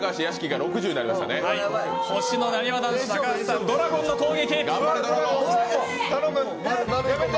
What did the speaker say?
さあ、なにわ男子の高橋さんドラゴンの攻撃。